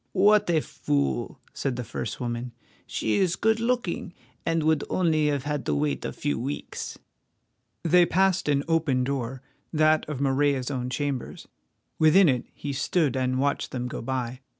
"What a fool!" said the first woman. "She is good looking, and would only have had to wait a few weeks." They passed an open door, that of Morella's own chambers. Within it he stood and watched them go by.